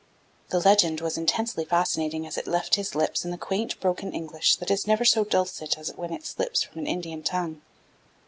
The legend was intensely fascinating as it left his lips in the quaint broken English that is never so dulcet as when it slips from an Indian tongue.